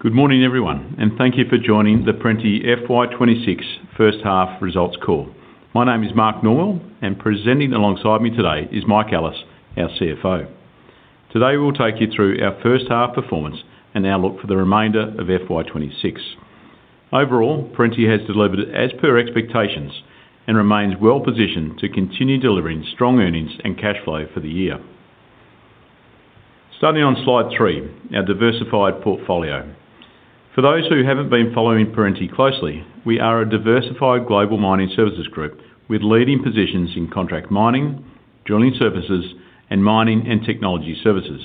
Good morning, everyone. Thank you for joining the Perenti FY 2026 first half results call. My name is Mark Norwell. Presenting alongside me today is Mike Ellis, our Chief Financial Officer. Today, we'll take you through our first half performance and our look for the remainder of FY 2026. Overall, Perenti has delivered as per expectations and remains well-positioned to continue delivering strong earnings and cash flow for the year. Starting on Slide three, Our Diversified Portfolio. For those who haven't been following Perenti closely, we are a diversified global mining services group with leading positions in contract mining, drilling services, and mining and technology services.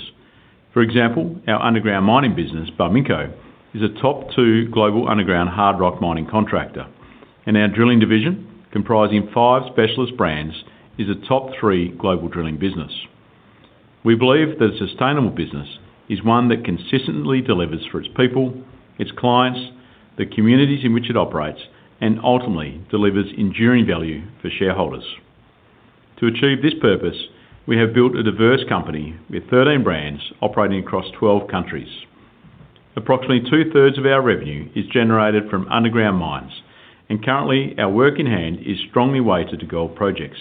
For example, our underground mining business, Barminco, is a top two global underground hard rock mining contractor. Our drilling division, comprising five specialist brands, is a top three global drilling business. We believe that a sustainable business is one that consistently delivers for its people, its clients, the communities in which it operates, and ultimately delivers enduring value for shareholders. To achieve this purpose, we have built a diverse company with 13 brands operating across 12 countries. Approximately two-thirds of our revenue is generated from underground mines, and currently, our work in hand is strongly weighted to gold projects.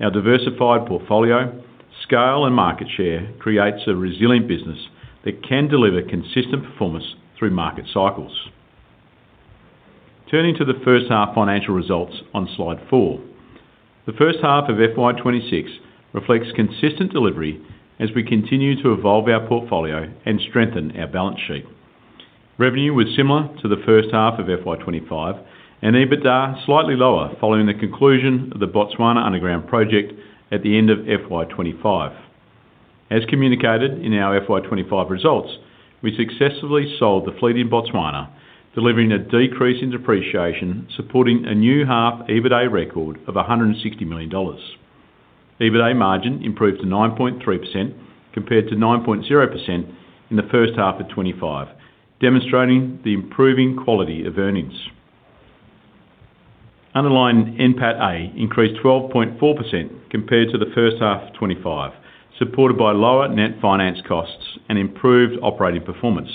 Our diversified portfolio, scale, and market share creates a resilient business that can deliver consistent performance through market cycles. Turning to the first half financial results on Slide four. The first half of FY 2026 reflects consistent delivery as we continue to evolve our portfolio and strengthen our balance sheet. Revenue was similar to the first half of FY 2025, and EBITDA slightly lower, following the conclusion of the Botswana underground project at the end of FY 2025. As communicated in our FY 2025 results, we successfully sold the fleet in Botswana, delivering a decrease in depreciation, supporting a new half EBITDA record of 160 million dollars. EBITDA margin improved to 9.3%, compared to 9.0% in the first half of 2025, demonstrating the improving quality of earnings. Underlying NPATA increased 12.4% compared to the first half of 2025, supported by lower net finance costs and improved operating performance.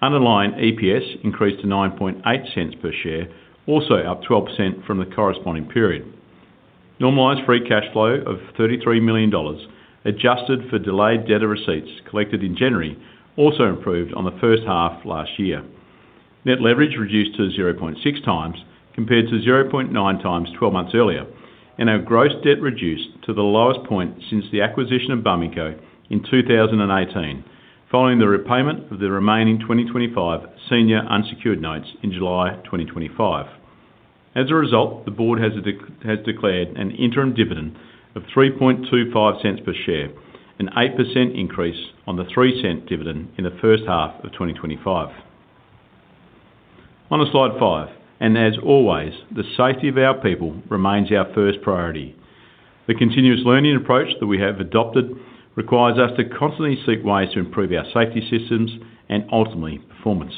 Underlying EPS increased to 0.098 per share, also up 12% from the corresponding period. Normalized free cash flow of 33 million dollars, adjusted for delayed debtor receipts collected in January, also improved on the first half last year. Net leverage reduced to 0.6 times, compared to 0.9 times 12 months earlier, and our gross debt reduced to the lowest point since the acquisition of Barminco in 2018, following the repayment of the remaining 2025 Senior Unsecured Notes in July 2025. As a result, the board has declared an interim dividend of 0.0325 per share, an 8% increase on the 0.03 dividend in the first half of 2025. On to Slide five, as always, the safety of our people remains our first priority. The continuous learning approach that we have adopted requires us to constantly seek ways to improve our safety systems and ultimately, performance.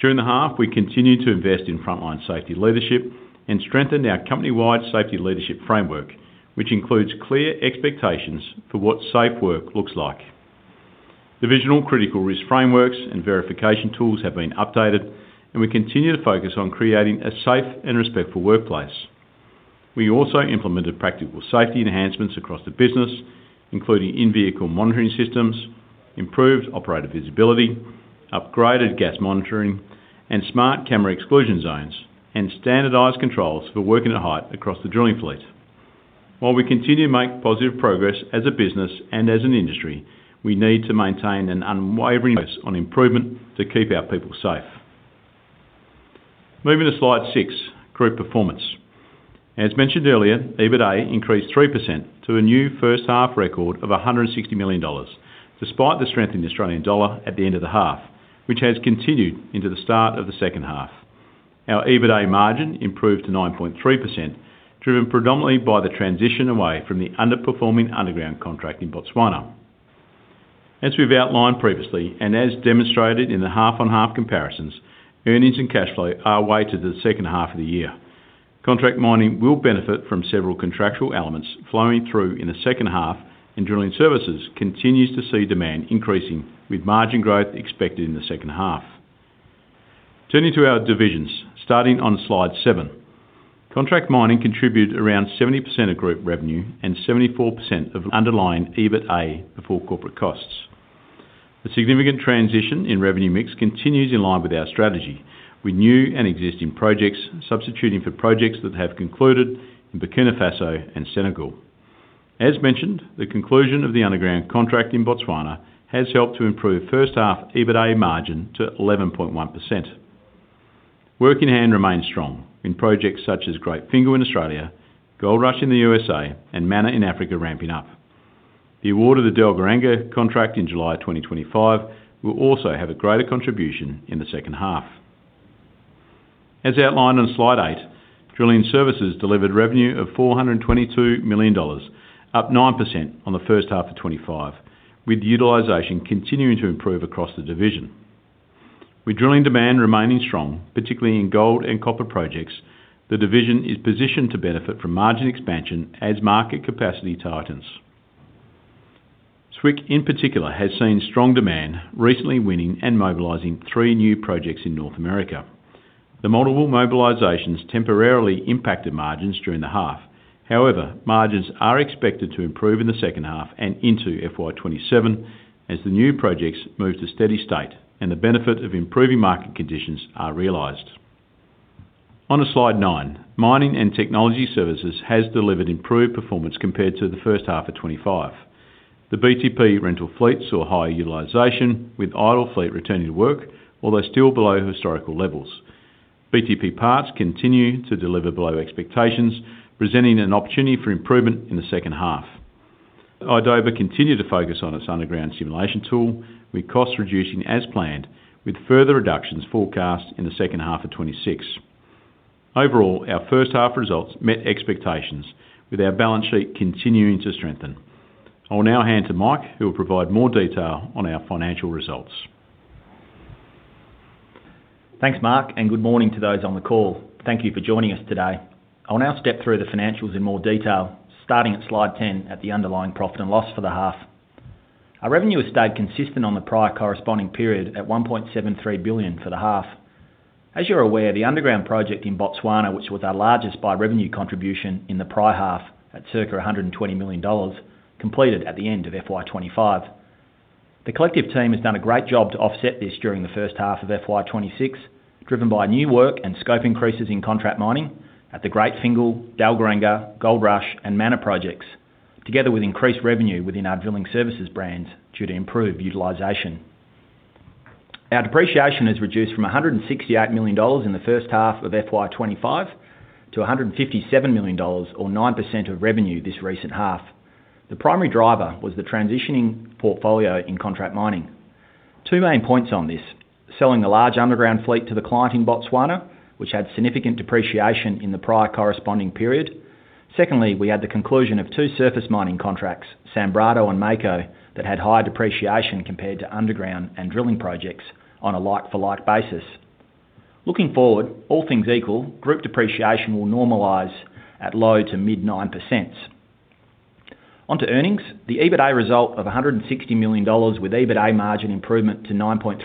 During the half, we continued to invest in frontline safety leadership and strengthened our company-wide safety leadership framework, which includes clear expectations for what safe work looks like. Divisional critical risk frameworks and verification tools have been updated, and we continue to focus on creating a safe and respectful workplace. We also implemented practical safety enhancements across the business, including in-vehicle monitoring systems, improved operator visibility, upgraded gas monitoring, and smart camera exclusion zones, and standardized controls for working at height across the drilling fleet. While we continue to make positive progress as a business and as an industry, we need to maintain an unwavering focus on improvement to keep our people safe. Moving to Slide six, Group Performance. As mentioned earlier, EBITDA increased 3% to a new first-half record of 160 million dollars, despite the strength in the Australian dollar at the end of the half, which has continued into the start of the second half. Our EBITDA margin improved to 9.3%, driven predominantly by the transition away from the underperforming underground contract in Botswana. As we've outlined previously, as demonstrated in the half-on-half comparisons, earnings and cash flow are weighted to the second half of the year. Contract mining will benefit from several contractual elements flowing through in the second half, drilling services continues to see demand increasing, with margin growth expected in the second half. Turning to our divisions, starting on Slide seven. Contract mining contributed around 70% of group revenue and 74% of underlying EBITDA before corporate costs. The significant transition in revenue mix continues in line with our strategy, with new and existing projects substituting for projects that have concluded in Burkina Faso and Senegal. As mentioned, the conclusion of the underground contract in Botswana has helped to improve first-half EBITDA margin to 11.1%. Work in hand remains strong in projects such as Great Fingall in Australia, Gold Rush in the USA, and Mana in Africa ramping up. The award of the Dalgaranga contract in July 2025 will also have a greater contribution in the second half. As outlined on Slide eight, drilling services delivered revenue of 422 million dollars, up 9% on the first half of 2025, with utilization continuing to improve across the division. With drilling demand remaining strong, particularly in gold and copper projects, the division is positioned to benefit from margin expansion as market capacity tightens. Swick, in particular, has seen strong demand, recently winning and mobilizing three new projects in North America. The multiple mobilizations temporarily impacted margins during the half. However, margins are expected to improve in the second half and into FY 2027, as the new projects move to steady state and the benefit of improving market conditions are realized. On to Slide nine. Mining and technology services has delivered improved performance compared to the first half of FY 2025. The BTP rental fleet saw higher utilization, with idle fleet returning to work, although still below historical levels. BTP parts continue to deliver below expectations, presenting an opportunity for improvement in the second half. idoba continued to focus on its underground simulation tool, with costs reducing as planned, with further reductions forecast in the second half of FY 2026. Overall, our first half results met expectations, with our balance sheet continuing to strengthen. I'll now hand to Mike, who will provide more detail on our financial results. Thanks, Mark, and good morning to those on the call. Thank you for joining us today. I'll now step through the financials in more detail, starting at Slide 10 at the underlying profit and loss for the half. Our revenue has stayed consistent on the prior corresponding period at 1.73 billion for the half. As you're aware, the underground project in Botswana, which was our largest by revenue contribution in the prior half, at circa 120 million dollars, completed at the end of FY 2025. The collective team has done a great job to offset this during the first half of FY 2026, driven by new work and scope increases in contract mining at the Great Fingall, Dalgaranga, Gold Rush, and Mana projects, together with increased revenue within our drilling services brands due to improved utilization. Our depreciation has reduced from 168 million dollars in the first half of FY 2025 to 157 million dollars, or 9% of revenue this recent half. The primary driver was the transitioning portfolio in contract mining. Two main points on this: selling the large underground fleet to the client in Botswana, which had significant depreciation in the prior corresponding period. Secondly, we had the conclusion of two surface mining contracts, Sabodala and Mako, that had higher depreciation compared to underground and drilling projects on a like-for-like basis. Looking forward, all things equal, group depreciation will normalize at low to mid-9%. On to earnings. The EBITDA result of 160 million dollars, with EBITDA margin improvement to 9.3%,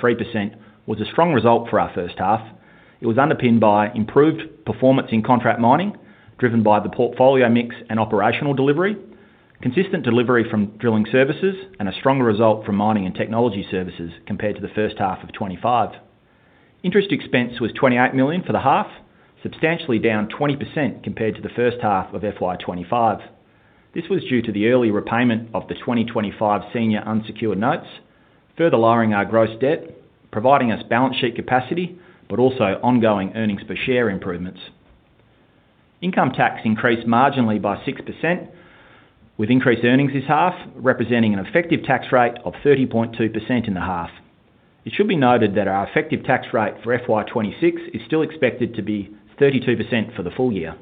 was a strong result for our first half. It was underpinned by improved performance in contract mining, driven by the portfolio mix and operational delivery, consistent delivery from drilling services, and a stronger result from mining and technology services compared to the first half of FY 2025. Interest expense was 28 million for the half, substantially down 20% compared to the first half of FY 2025. This was due to the early repayment of the 2025 Senior Unsecured Notes, further lowering our gross debt, providing us balance sheet capacity, but also ongoing earnings per share improvements. Income tax increased marginally by 6%, with increased earnings this half, representing an effective tax rate of 30.2% in the half. It should be noted that our effective tax rate for FY 2026 is still expected to be 32% for the full year.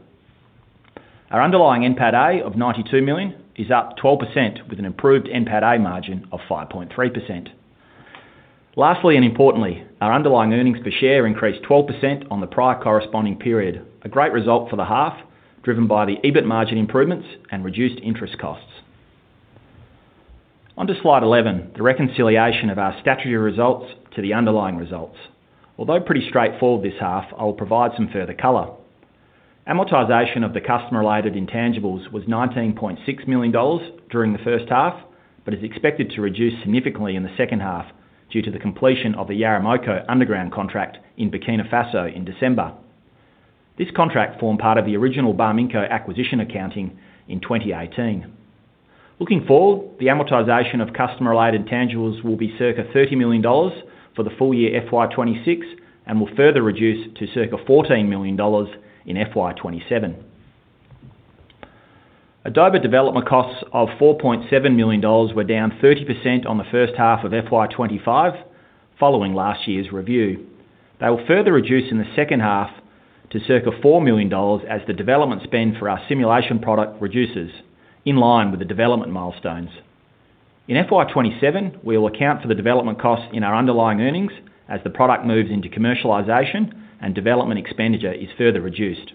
Our underlying NPATA of 92 million is up 12%, with an improved NPATA margin of 5.3%. Lastly, and importantly, our underlying earnings per share increased 12% on the prior corresponding period, a great result for the half, driven by the EBIT margin improvements and reduced interest costs. On to Slide 11, the reconciliation of our statutory results to the underlying results. Although pretty straightforward this half, I'll provide some further color. Amortization of the customer-related intangibles was 19.6 million dollars during the first half, but is expected to reduce significantly in the second half due to the completion of the Yaramoko underground contract in Burkina Faso in December. This contract formed part of the original Barminco acquisition accounting in 2018. Looking forward, the amortization of customer-related intangibles will be circa $30 million for the full year FY 2026, and will further reduce to circa $14 million in FY 2027. idoba development costs of $4.7 million were down 30% on the first half of FY 2025, following last year's review. They will further reduce in the second half to circa $4 million, as the development spend for our simulation product reduces in line with the development milestones. In FY 2027, we will account for the development costs in our underlying earnings as the product moves into commercialization and development expenditure is further reduced.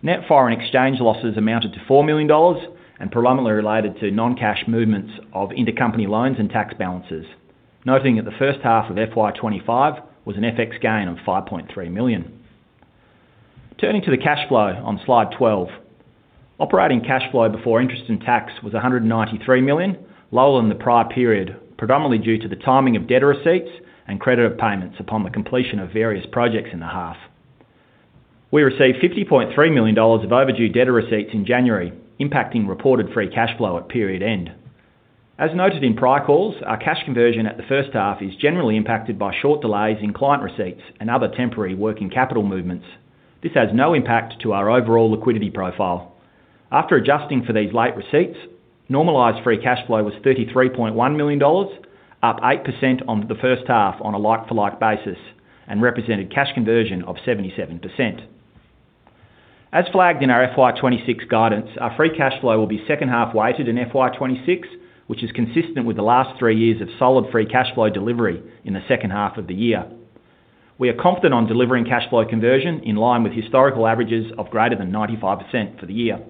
Net foreign exchange losses amounted to $4 million and predominantly related to non-cash movements of intercompany loans and tax balances. Noting that the first half of FY 2025 was an FX gain of $5.3 million. Turning to the cash flow on Slide 12, operating cash flow before interest and tax was $193 million, lower than the prior period, predominantly due to the timing of debtor receipts and credit of payments upon the completion of various projects in the half. We received $50.3 million of overdue debtor receipts in January, impacting reported free cash flow at period end. As noted in prior calls, our cash conversion at the first half is generally impacted by short delays in client receipts and other temporary working capital movements. This has no impact to our overall liquidity profile. After adjusting for these late receipts, normalized free cash flow was $33.1 million, up 8% on the first half on a like-for-like basis, and represented cash conversion of 77%. As flagged in our FY 2026 guidance, our free cash flow will be second half-weighted in FY 2026, which is consistent with the last three years of solid free cash flow delivery in the second half of the year. We are confident on delivering cash conversion in line with historical averages of greater than 95% for the year.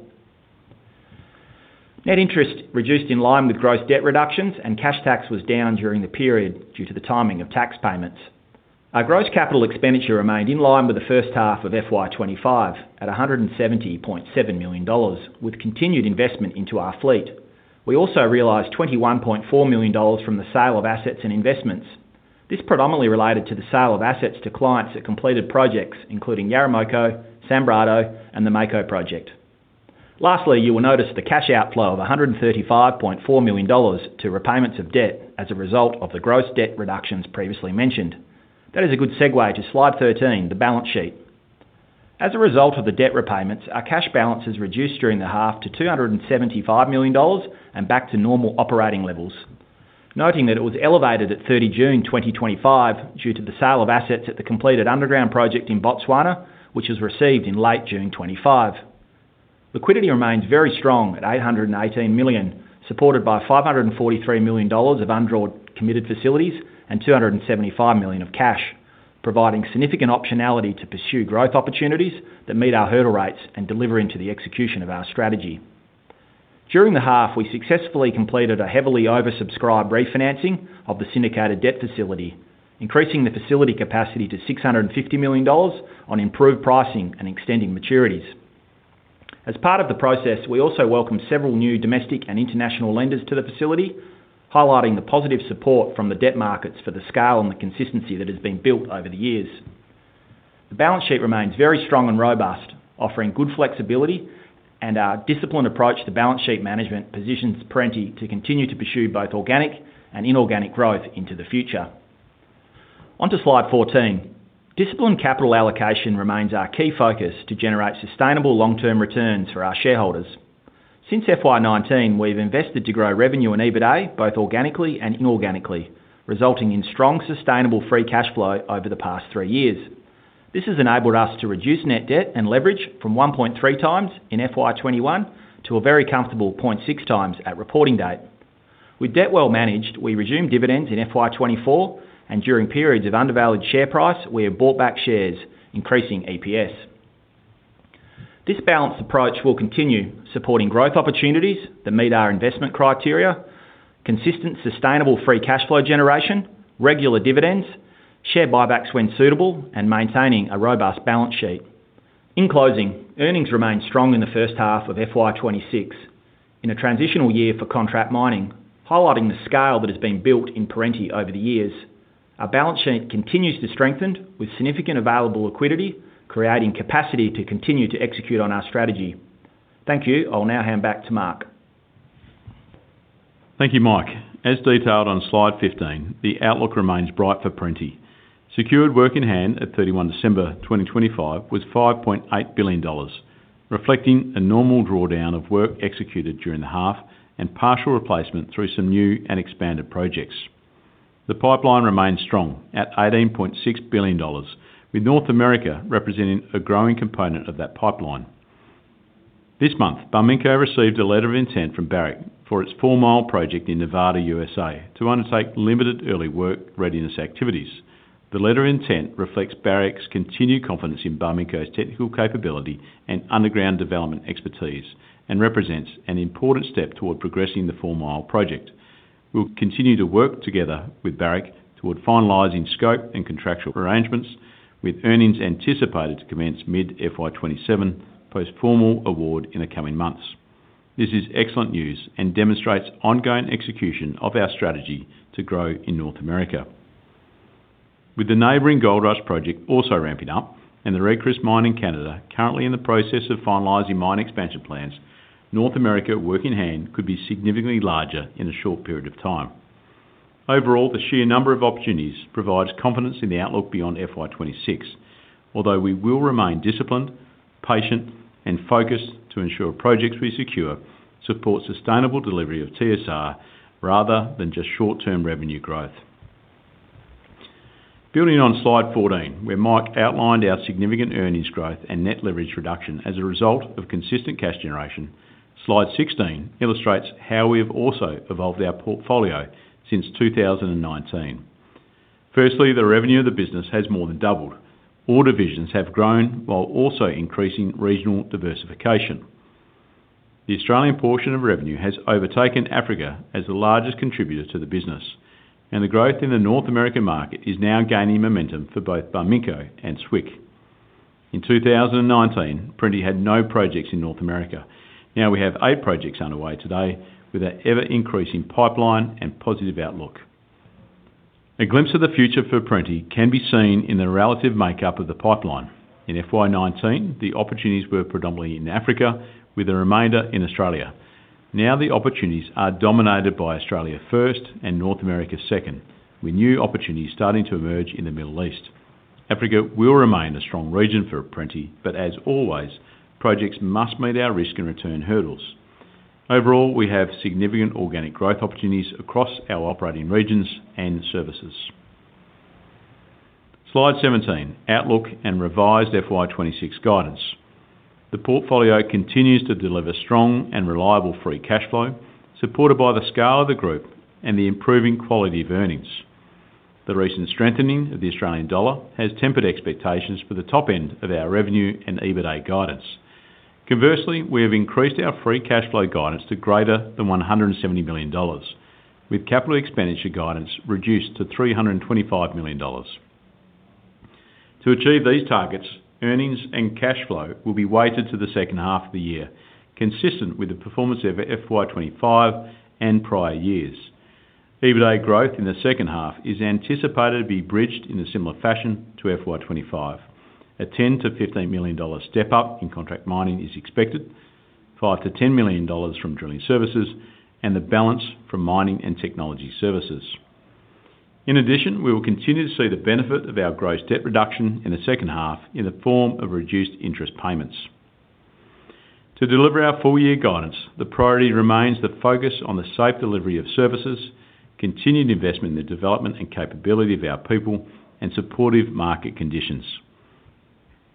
Net interest reduced in line with gross debt reductions, and cash tax was down during the period due to the timing of tax payments. Our gross capital expenditure remained in line with the first half of FY 2025, at $170.7 million, with continued investment into our fleet. We also realized $21.4 million from the sale of assets and investments. This predominantly related to the sale of assets to clients at completed projects, including Yaramoko, Sanbrado, and the Mako project. Lastly, you will notice the cash outflow of 135.4 million dollars to repayments of debt as a result of the gross debt reductions previously mentioned. That is a good segue to Slide 13, the balance sheet. As a result of the debt repayments, our cash balances reduced during the half to 275 million dollars and back to normal operating levels, noting that it was elevated at 30 June 2025, due to the sale of assets at the completed underground project in Botswana, which was received in late June 2025. Liquidity remains very strong at 818 million, supported by 543 million dollars of undrawn committed facilities and 275 million of cash, providing significant optionality to pursue growth opportunities that meet our hurdle rates and delivering to the execution of our strategy. During the half, we successfully completed a heavily oversubscribed refinancing of the syndicated debt facility, increasing the facility capacity to $650 million on improved pricing and extending maturities. As part of the process, we also welcomed several new domestic and international lenders to the facility, highlighting the positive support from the debt markets for the scale and the consistency that has been built over the years. Our disciplined approach to balance sheet management positions Perenti to continue to pursue both organic and inorganic growth into the future. On to Slide 14. Disciplined capital allocation remains our key focus to generate sustainable long-term returns for our shareholders. Since FY 2019, we've invested to grow revenue and EBITDA, both organically and inorganically, resulting in strong, sustainable free cash flow over the past three-years. This has enabled us to reduce net debt and leverage from 1.3 times in FY 2021 to a very comfortable 0.6 times at reporting date. With debt well managed, we resumed dividends in FY 2024. During periods of undervalued share price, we have bought back shares, increasing EPS. This balanced approach will continue supporting growth opportunities that meet our investment criteria, consistent, sustainable free cash flow generation, regular dividends, share buybacks when suitable, and maintaining a robust balance sheet. In closing, earnings remain strong in the first half of FY 2026. In a transitional year for contract mining, highlighting the scale that has been built in Perenti over the years, our balance sheet continues to strengthen, with significant available liquidity, creating capacity to continue to execute on our strategy. Thank you. I'll now hand back to Mark. Thank you, Mike. As detailed on Slide 15, the outlook remains bright for Perenti. Secured work in hand at 31 December 2025 was $5.8 billion, reflecting a normal drawdown of work executed during the half and partial replacement through some new and expanded projects. The pipeline remains strong at $18.6 billion, with North America representing a growing component of that pipeline. This month, Barminco received a letter of intent from Barrick for its Four Mile project in Nevada, USA, to undertake limited early work readiness activities. The letter of intent reflects Barrick's continued confidence in Barminco's technical capability and underground development expertise and represents an important step toward progressing the Four Mile project. We'll continue to work together with Barrick toward finalizing scope and contractual arrangements, with earnings anticipated to commence mid- FY 2027, post formal award in the coming months. This is excellent news and demonstrates ongoing execution of our strategy to grow in North America. With the neighboring Gold Rush project also ramping up and the Red Chris mine in Canada currently in the process of finalizing mine expansion plans, North America work in hand could be significantly larger in a short period of time. Overall, the sheer number of opportunities provides confidence in the outlook beyond FY 2026, although we will remain disciplined, patient, and focused to ensure projects we secure support sustainable delivery of TSR rather than just short-term revenue growth. Building on Slide 14, where Mike outlined our significant earnings growth and net leverage reduction as a result of consistent cash generation, Slide 16 illustrates how we have also evolved our portfolio since 2019. Firstly, the revenue of the business has more than doubled. All divisions have grown while also increasing regional diversification. The Australian portion of revenue has overtaken Africa as the largest contributor to the business. The growth in the North American market is now gaining momentum for both Barminco and Swick. In 2019, Perenti had no projects in North America. Now, we have eight projects underway today with our ever-increasing pipeline and positive outlook. A glimpse of the future for Perenti can be seen in the relative makeup of the pipeline. In FY 2019, the opportunities were predominantly in Africa, with the remainder in Australia. Now, the opportunities are dominated by Australia first and North America second, with new opportunities starting to emerge in the Middle East. Africa will remain a strong region for Perenti. As always, projects must meet our risk and return hurdles. Overall, we have significant organic growth opportunities across our operating regions and services. Slide 17, Outlook and revised FY 2026 guidance. The portfolio continues to deliver strong and reliable free cash flow, supported by the scale of the group and the improving quality of earnings. The recent strengthening of the Australian dollar has tempered expectations for the top end of our revenue and EBITDA guidance. Conversely, we have increased our free cash flow guidance to greater than 170 million dollars, with capital expenditure guidance reduced to 325 million dollars. To achieve these targets, earnings and cash flow will be weighted to the second half of the year, consistent with the performance of FY 2025 and prior years. EBITDA growth in the second half is anticipated to be bridged in a similar fashion to FY 2025. A $10 million-$15 million step-up in contract mining is expected, $5 million-$10 million from drilling services, and the balance from mining and technology services. In addition, we will continue to see the benefit of our gross debt reduction in the second half in the form of reduced interest payments. To deliver our full-year guidance, the priority remains the focus on the safe delivery of services, continued investment in the development and capability of our people, and supportive market conditions.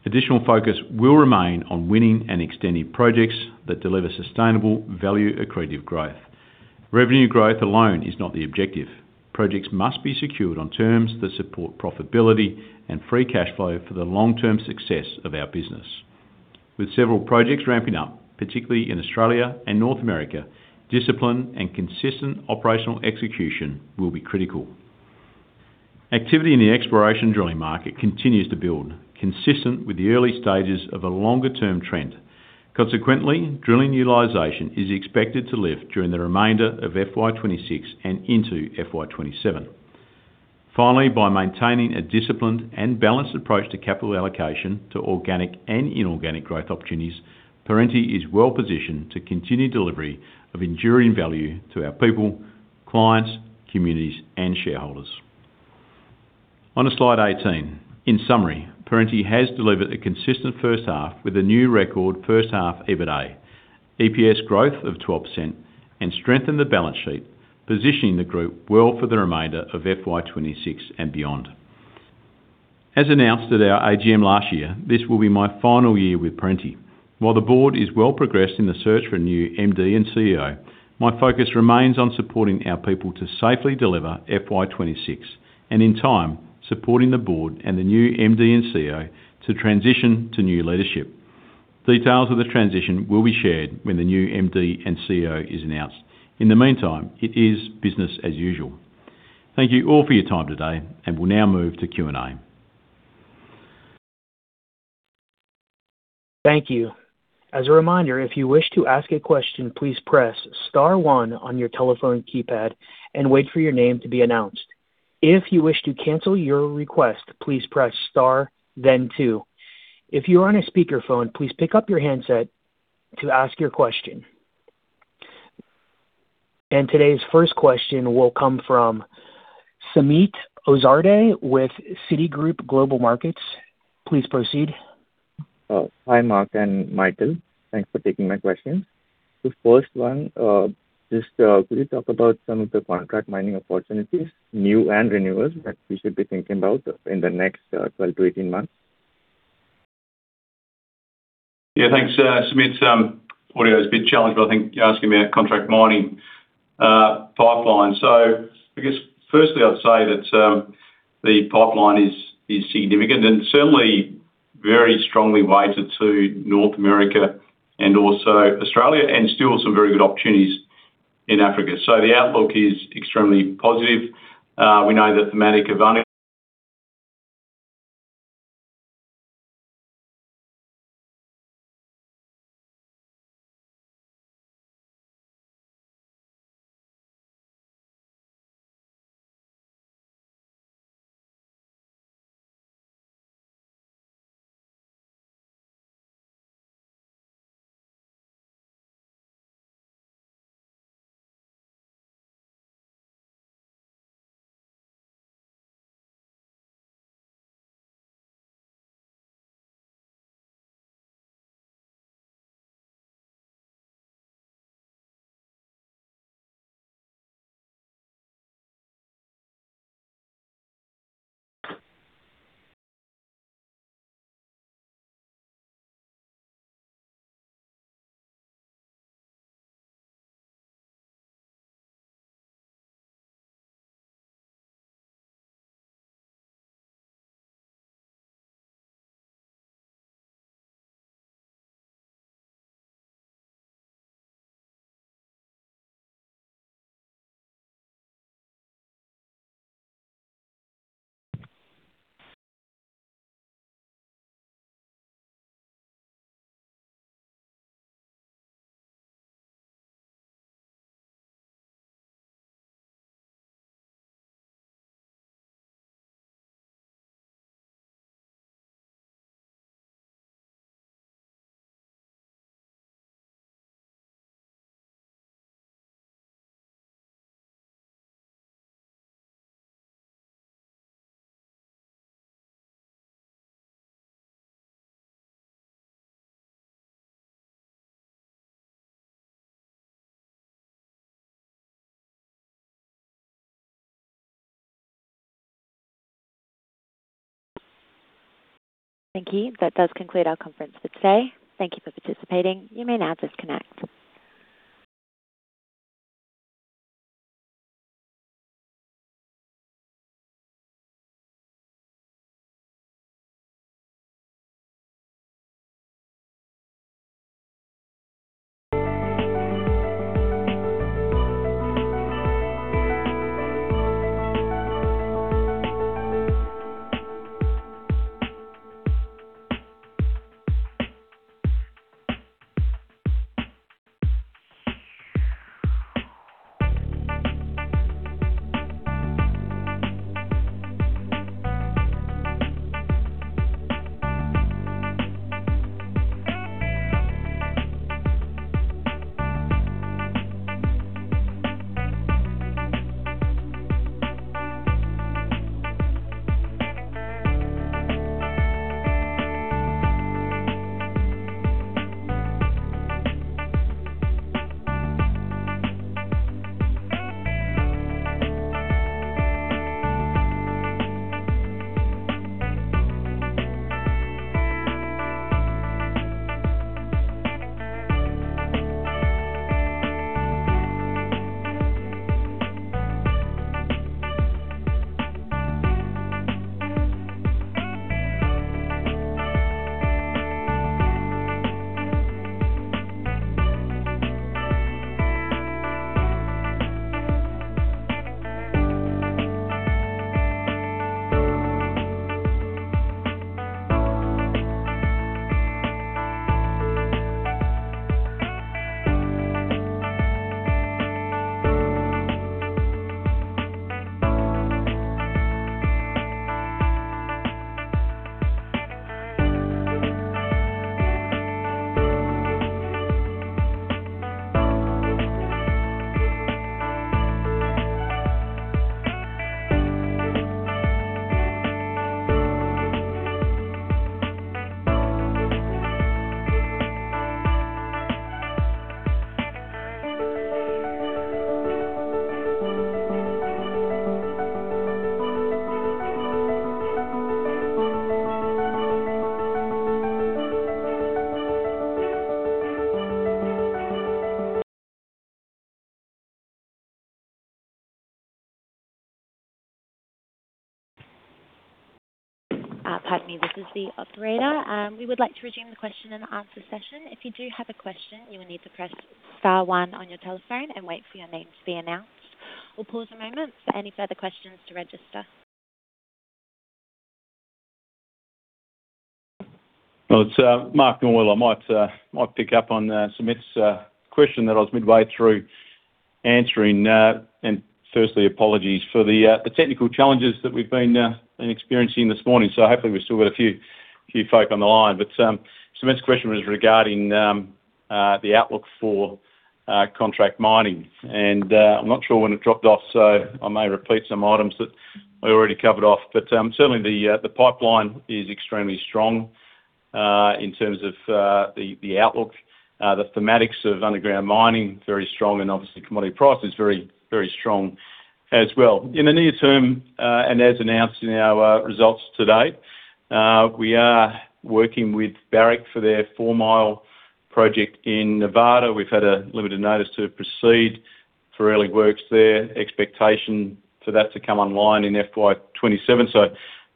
Additional focus will remain on winning and extending projects that deliver sustainable value accretive growth. Revenue growth alone is not the objective. Projects must be secured on terms that support profitability and free cash flow for the long-term success of our business. With several projects ramping up, particularly in Australia and North America, discipline and consistent operational execution will be critical. Activity in the exploration drilling market continues to build, consistent with the early stages of a longer-term trend. Consequently, drilling utilization is expected to lift during the remainder of FY 2026 and into FY 2027. Finally, by maintaining a disciplined and balanced approach to capital allocation to organic and inorganic growth opportunities, Perenti is well positioned to continue delivery of enduring value to our people, clients, communities, and shareholders. On to slide 18. In summary, Perenti has delivered a consistent first half with a new record first half EBITDA, EPS growth of 12%, and strengthened the balance sheet, positioning the group well for the remainder of FY 2026 and beyond. As announced at our AGM last year, this will be my final year with Perenti. While the board is well progressed in the search for a new MD and Chief Executive Officer, my focus remains on supporting our people to safely deliver FY 2026 and, in time, supporting the board and the new MD and Chief Executive Officer to transition to new leadership. Details of the transition will be shared when the new MD and Chief Executive Officer is announced. In the meantime, it is business as usual. Thank you all for your time today, and we'll now move to Q&A. Thank you. As a reminder, if you wish to ask a question, please press star one on your telephone keypad and wait for your name to be announced. If you wish to cancel your request, please press star, then two. If you are on a speakerphone, please pick up your handset to ask your question. Today's first question will come from Sumeet Ozarde with Citigroup Global Markets. Please proceed. Hi, Mark and Michael. Thanks for taking my questions. The first one, just, could you talk about some of the contract mining opportunities, new and renewals, that we should be thinking about in the next 12 to 18 months? Yeah, thanks, Sumit. Audio is a bit challenged, but I think you're asking me about contract mining, pipeline. I guess firstly, I'd say that the pipeline is, is significant and certainly very strongly weighted to North America and also Australia, and still some very good opportunities in Africa. The outlook is extremely positive. We know that the Thank you. That does conclude our conference for today. Thank you for participating. You may now disconnect. Pardon me, this is the operator. We would like to resume the question and answer session. If you do have a question, you will need to press star one on your telephone and wait for your name to be announced. We'll pause a moment for any further questions to register. Well, it's Mark Norwell. I might, I might pick up on Sumit's question that I was midway through answering. Firstly, apologies for the technical challenges that we've been experiencing this morning. Hopefully we've still got a few, few folk on the line. Sumit's question was regarding the outlook for contract mining, and I'm not sure when it dropped off, so I may repeat some items that we already covered off. Certainly the pipeline is extremely strong in terms of the outlook. The thematics of underground mining, very strong, and obviously, commodity price is very, very strong as well. In the near term, and as announced in our results to date, we are working with Barrick for their Four Mile project in Nevada. We've had a limited notice to proceed for early works there. Expectation for that to come online in FY 2027, so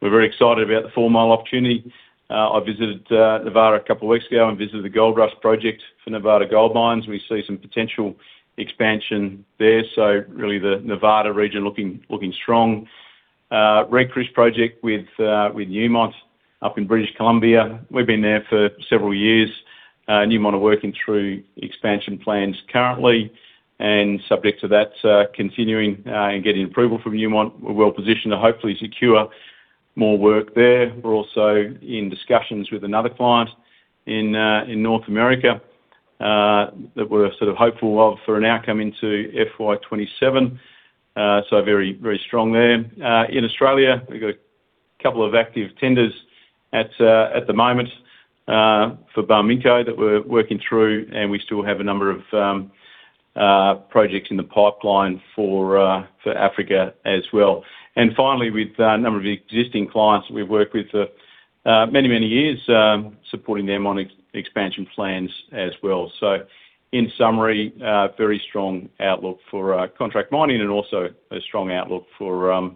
we're very excited about the Four Mile opportunity. I visited Nevada a couple of weeks ago and visited the Gold Rush project for Nevada Gold Mines. We see some potential expansion there, so really the Nevada region looking, looking strong. Red Chris project with Newmont up in British Columbia. We've been there for several years. Newmont are working through expansion plans currently, and subject to that continuing and getting approval from Newmont. We're well positioned to hopefully secure more work there. We're also in discussions with another client in North America that we're sort of hopeful of for an outcome into FY 2027. Very, very strong there. got a couple of active tenders at the moment for Barminco that we're working through, and we still have a number of projects in the pipeline for Africa as well. Finally, with a number of existing clients we've worked with for many, many years, supporting them on expansion plans as well. So in summary, a very strong outlook for contract mining and also a strong outlook for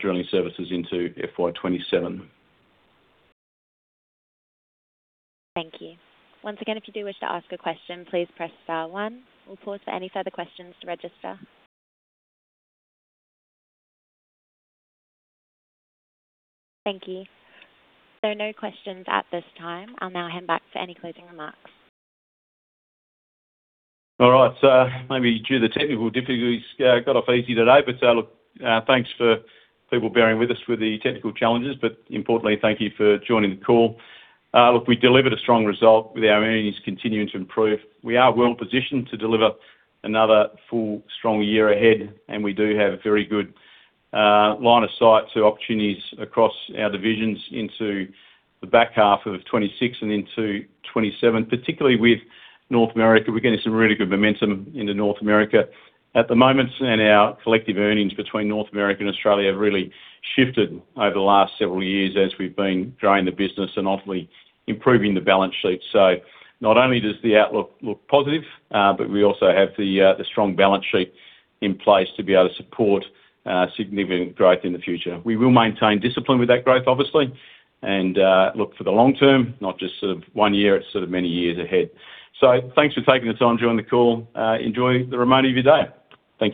drilling services into FY 2027 Thank you. Once again, if you do wish to ask a question, please press star one. We'll pause for any further questions to register. Thank you. No questions at this time. I'll now hand back for any closing remarks. All right. Maybe due to the technical difficulties, got off easy today. Look, thanks for people bearing with us with the technical challenges, but importantly, thank you for joining the call. Look, we delivered a strong result with our earnings continuing to improve. We are well positioned to deliver another full, strong year ahead, and we do have a very good line of sight to opportunities across our divisions into the back half of 2026 and into 2027, particularly with North America. We're getting some really good momentum into North America at the moment, and our collective earnings between North America and Australia have really shifted over the last several years as we've been growing the business and obviously improving the balance sheet. Not only does the outlook look positive, but we also have the strong balance sheet in place to be able to support significant growth in the future. We will maintain discipline with that growth, obviously, and look for the long term, not just sort of one year, it's sort of many years ahead. Thanks for taking the time to join the call. Enjoy the remainder of your day. Thank you.